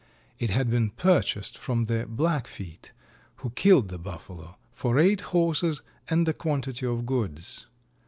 It had been purchased from the Blackfeet, who killed the Buffalo, for eight horses and a quantity of goods.